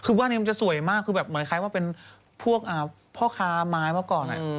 คือบ้านนี้มันจะสวยมากคือแบบเหมือนคล้ายว่าเป็นพวกพ่อค้าไม้เมื่อก่อน